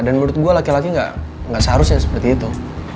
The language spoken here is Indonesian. dan menurut gue laki laki gak seharusnya seperti itu